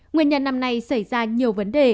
nguyên nhân năm nay xảy ra nhiều vấn đề